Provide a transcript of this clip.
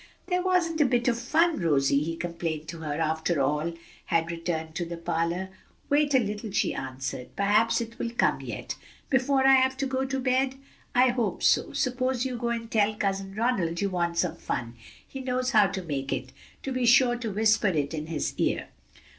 "There wasn't a bit of fun, Rosie," he complained to her after all had returned to the parlor. "Wait a little," she answered, "perhaps it will come yet." "Before I have to go to bed?" "I hope so. Suppose you go and tell Cousin Ronald you want some fun. He knows how to make it. But be sure to whisper it in his ear."